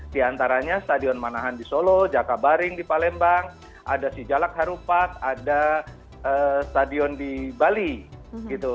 di antaranya stadion manahan di solo jakabaring di palembang ada si jalak harupat ada stadion di bali gitu